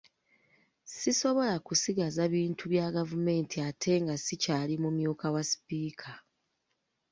Sisobola kusigaza bintu bya gavumenti ate nga sikyali mumyuka wa Sipiika.